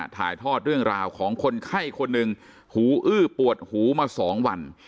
ถ่ายทอดเรื่องราวของคนไข้คนหนึ่งหูอื้อปวดหูมา๒วัน